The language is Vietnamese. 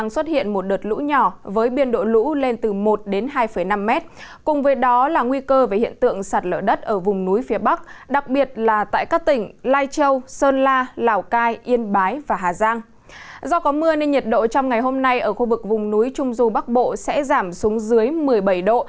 do có mưa nên nhiệt độ trong ngày hôm nay ở khu vực vùng núi trung du bắc bộ sẽ giảm xuống dưới một mươi bảy độ